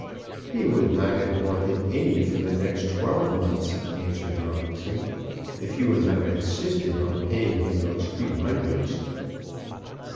"He would not have wanted any for the next twelve months," answered Robinson, "if you had not insisted on paying him those few hundreds."